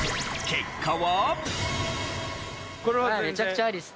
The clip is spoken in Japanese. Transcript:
結果は。